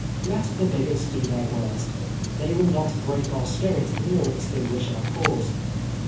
Let the bigots do their worst ; the v will not break our spirit nor extinguish our cause.